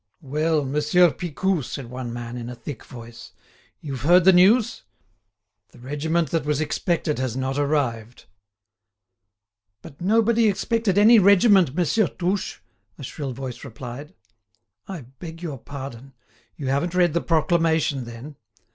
"Well! Monsieur Picou," said one man in a thick voice, "you've heard the news? The regiment that was expected has not arrived." "But nobody expected any regiment, Monsieur Touche," a shrill voice replied. "I beg your pardon. You haven't read the proclamation, then?"